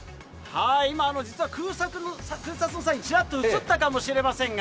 今、実は空撮の際にちらっと映ったかもしれませんが。